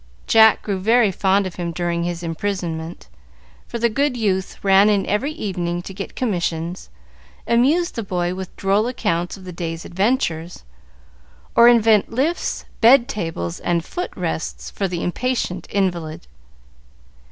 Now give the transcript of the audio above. Jack grew very fond of him during his imprisonment, for the good youth ran in every evening to get commissions, amuse the boy with droll accounts of the day's adventures, or invent lifts, bed tables, and foot rests for the impatient invalid.